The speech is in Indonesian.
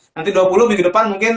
nanti dua puluh minggu depan mungkin